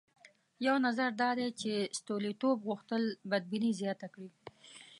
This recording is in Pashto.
یو نظر دا دی چې ستولیتوف غوښتل بدبیني زیاته کړي.